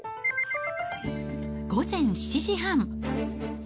午前７時半。